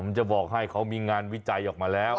ผมจะบอกให้เขามีงานวิจัยออกมาแล้ว